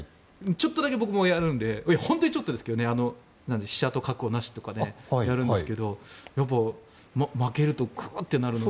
ちょっとだけ僕もやるので本当にちょっとですけど飛車と角をとかやるんですけど負けるとくーってなるので。